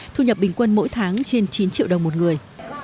thu nhập bình quân mỗi tháng trên chín triệu đồng một người